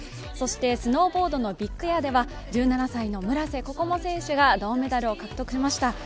そしてスノーボードのビッグエアでは、１７歳の村瀬心椛選手が銅メダルを獲得しました。